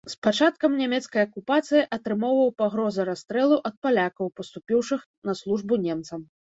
З пачаткам нямецкай акупацыі атрымоўваў пагрозы расстрэлу ад палякаў, паступіўшых на службу немцам.